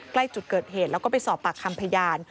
ใกล้จุดเกิดเหตุแล้วก็ไปสอบปากคำพยาน